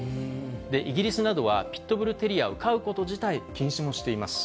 イギリスなどは、ピットブル・テリアを飼うこと自体禁止もしています。